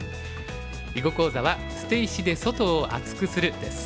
囲碁講座は「捨て石で外を厚くする」です。